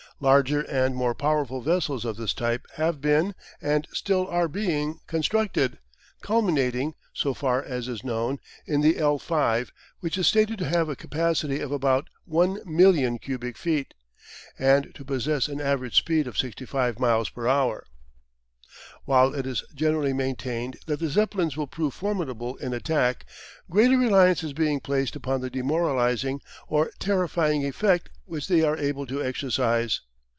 Larger and more powerful vessels of this type have been, and still are being, constructed, culminating, so far as is known, in the "L 5," which is stated to have a capacity of about 1,000,000 cubic feet, and to possess an average speed of 65 miles per hour. While it is generally maintained that the Zeppelins will prove formidable in attack, greater reliance is being placed upon the demoralising or terrifying effect which they are able to exercise.